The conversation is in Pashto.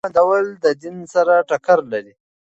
د تعليم بندول د دین سره ټکر لري.